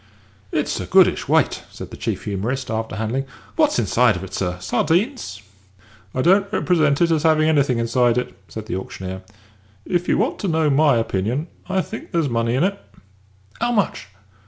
"It's a goodish weight," said the chief humorist, after handling it. "What's inside of it, sir sardines?" "I don't represent it as having anything inside it," said the auctioneer. "If you want to know my opinion, I think there's money in it." "'Ow much?"